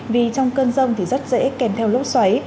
vì trong cơn rông thì rất dễ kèm theo lốc xoáy